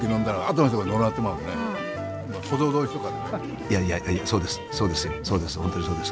いやいやそうです